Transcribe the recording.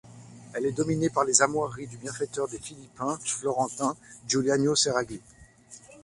Elle est dominée par les armoiries du bienfaiteur des Philippins florentins, Giuliano Serragli.